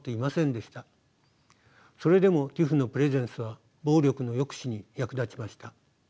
それでもＴＩＰＨのプレゼンスは暴力の抑止に役立ちました。